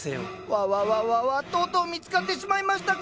わわわわわとうとう見つかってしまいましたか。